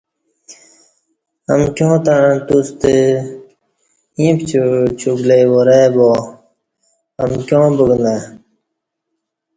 امکیاں تݩع توستہ ییں پچوع چوک لےوار ائ باامکیاں بگانہ